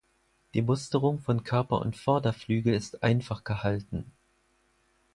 Die Musterung von Körper und Vorderflügel ist einfach gehalten.